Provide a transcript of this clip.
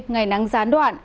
ngày nắng gián đoạn